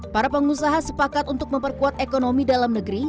para pengusaha sepakat untuk memperkuat ekonomi dalam negeri